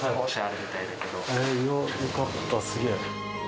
よかった、すげえ。